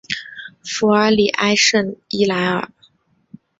弗尔里埃圣伊莱尔。